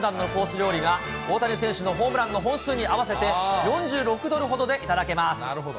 料理が、大谷選手のホームランの本数に合わせて、４６ドルほどで頂けます。